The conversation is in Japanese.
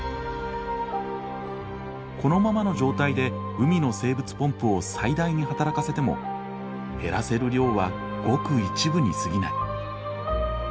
このままの状態で海の生物ポンプを最大に働かせても減らせる量はごく一部にすぎない。